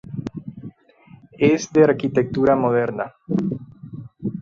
Es de arquitectura moderna.